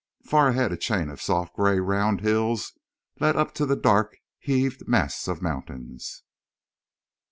Far ahead a chain of soft gray round hills led up to the dark heaved mass of mountains.